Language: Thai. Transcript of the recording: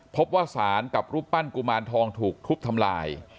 พบว่าสารกับรูปปั้นกุมารทองถูกทุบทำลาย